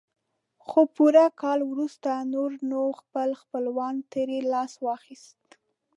خو پوره کال وروسته نور نو خپل خپلوانو ترې لاس واخيست.